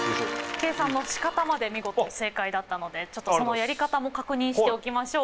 計算のしかたまで見事正解だったのでちょっとそのやり方も確認しておきましょう。